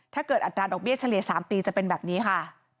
อัตราดอกเบี้เฉลี่ย๓ปีจะเป็นแบบนี้ค่ะ